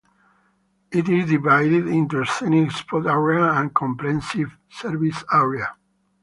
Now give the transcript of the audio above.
It is divided into Scenic Spot Area and Comprehensive Service Area.